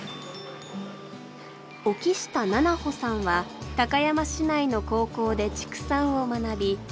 沖下虹帆さんは高山市内の高校で畜産を学び